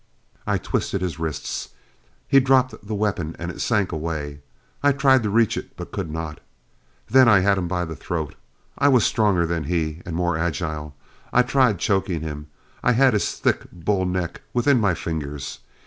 I twisted his wrists. He dropped the weapon and it sank away, I tried to reach it but could not.... Then I had him by the throat. I was stronger than he, and more agile. I tried choking him, I had his thick bull neck within my fingers.